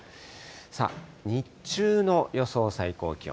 さあ、日中の予想最高気温。